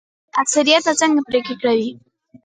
اکثریت څنګه پریکړه کوي؟